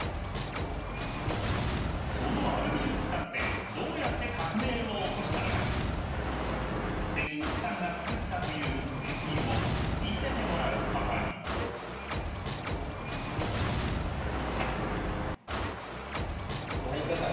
そのアルミを使ってどうやって革命を起こしたのか関口さんが作ったという製品を見せてもらうことにお入りください